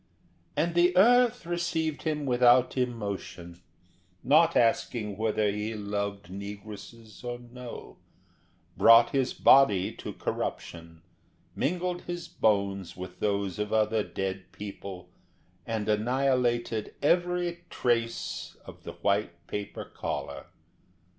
And the earth received him without emotion, not asking whether he loved negresses or no, brought his body to corruption, mingled his bones with those of other dead people, and annihilated every trace of the white paper collar.